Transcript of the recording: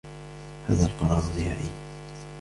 هذا القرار نهائي.